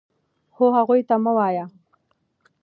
خو هغوی ته مه وایه .